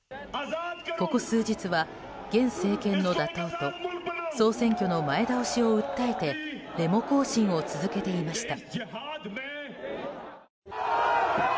ここ数日は現政権の打倒と総選挙の前倒しを訴えてデモ行進を続けていました。